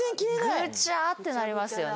ぐちゃってなりますよね。